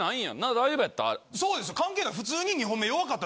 大丈夫やった？